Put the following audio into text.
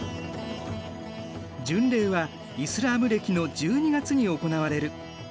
巡礼はイスラーム暦の１２月に行われる。